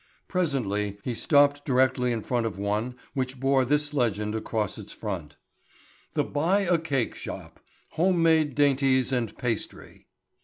Presently he stopped directly in front of one which bore this legend across its front: "The Buy A Cake Shop—Home Made Dainties and Pastry."